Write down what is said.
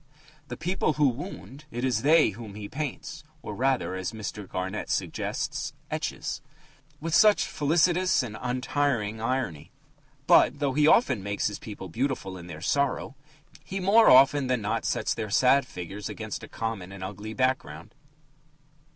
The people who wound it is they whom he paints (or, rather, as Mr. Garnett suggests, etches) with such felicitous and untiring irony. But, though he often makes his people beautiful in their sorrow, he more often than not sets their sad figures against a common and ugly background.